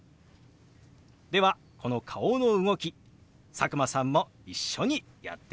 ではこの顔の動き佐久間さんも一緒にやってみましょう！